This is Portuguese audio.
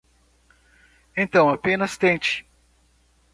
Então apenas tente